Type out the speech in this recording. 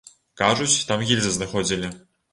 Кажуць, там гільзы знаходзілі.